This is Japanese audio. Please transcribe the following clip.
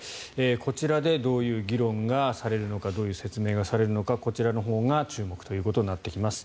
こちらでどういう議論がされるのかどういう説明がされるのかこちらのほうが注目ということになってきます。